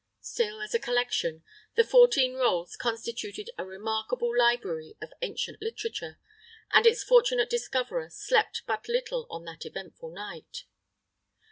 Still, as a collection, the fourteen rolls constituted a remarkable library of ancient literature, and its fortunate discoverer slept but little on that eventful night.